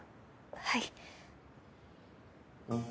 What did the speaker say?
はい。